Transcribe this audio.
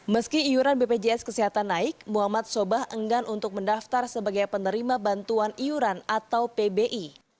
meski iuran bpjs kesehatan naik muhammad sobah enggan untuk mendaftar sebagai penerima bantuan iuran atau pbi